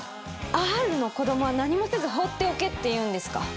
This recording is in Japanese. Ｒの子供は何もせず放っておけって言うんですか。